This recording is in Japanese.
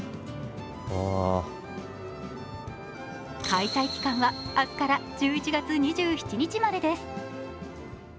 開催期間は明日から１１月２７日までです。